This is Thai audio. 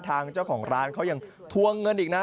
ทางเจ้าของร้านเขายังทวงเงินอีกนะ